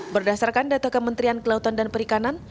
berdasarkan data kementerian kelautan dan perikanan